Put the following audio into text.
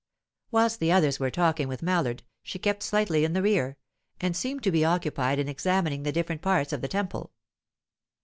Whilst the others were talking with Mallard, she kept slightly in the rear, and seemed to be occupied in examining the different parts of the temple.